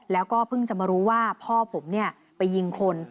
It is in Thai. แล้วก็เพิ่งจะมารู้ว่าพ่อผมไปยิงคน